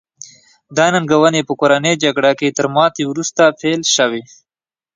دا ننګونې په کورنۍ جګړه کې تر ماتې وروسته پیل شوې.